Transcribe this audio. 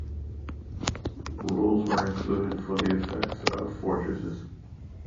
Rules were included for the effects of fortresses.